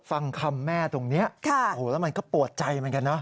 ฟังคำแม่ตรงนี้โอ้โหแล้วมันก็ปวดใจเหมือนกันนะ